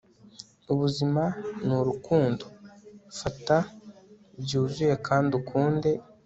ubuzima ni urukundo .. fata byuzuye kandi ukunde